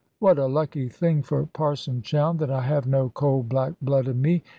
What a lucky thing for Parson Chowne that I have no cold black blood in me!